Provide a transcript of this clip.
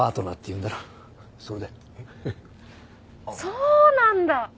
そうなんだ！